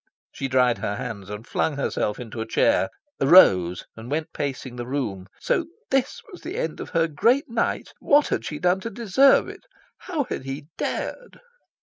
She dried her hands and flung herself into a chair, arose and went pacing the room. So this was the end of her great night! What had she done to deserve it? How had he dared?